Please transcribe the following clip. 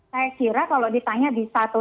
saya kira kalau ditanya bisa atau